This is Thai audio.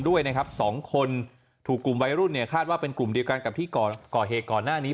ด้วยนะครับสองคนถูกกลุ่มวัยรุ่นเนี่ยคาดว่าเป็นกลุ่มเดียวกันกับที่ก่อเหตุก่อนหน้านี้